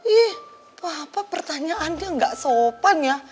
ih papa pertanyaannya nggak sopan ya